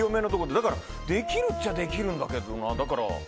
だからできるっちゃできるんだけどな。